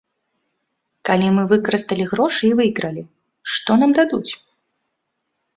Калі мы выкарысталі грошы і выйгралі, што нам дадуць?